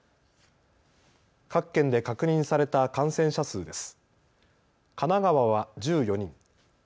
各県で確認された感染者数です。